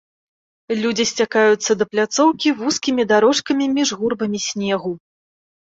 Людзі сцякаюцца да пляцоўкі вузкімі дарожкамі між гурбамі снегу.